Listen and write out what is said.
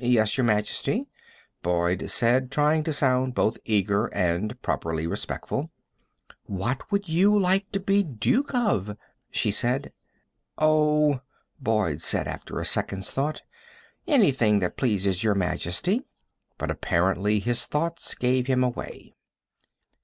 "Yes, Your Majesty?" Boyd said, trying to sound both eager and properly respectful. "What would you like to be Duke of?" she said. "Oh," Boyd said after a second's thought, "anything that pleases Your Majesty." But, apparently, his thoughts gave him away.